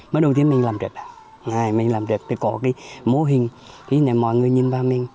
mới đầu tiên mình làm đẹp ngày mình làm đẹp thì có cái mô hình khi này mọi người nhìn vào mình